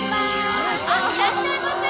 いらっしゃいませ。